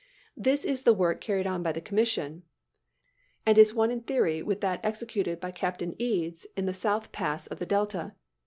This is the work carried on by the commission, and is one in theory with that executed by Captain Eads in the South Pass of the Delta.